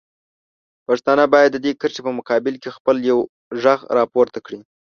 پښتانه باید د دې کرښې په مقابل کې خپل یو غږ راپورته کړي.